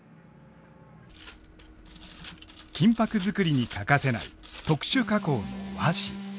金箔作りに欠かせない特殊加工の和紙。